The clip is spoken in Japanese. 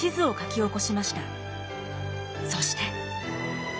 そして。